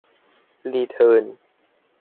รีเทิร์น